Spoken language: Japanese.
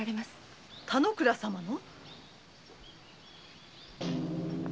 田之倉様の？